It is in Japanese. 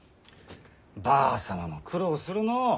ばあ様も苦労するのう。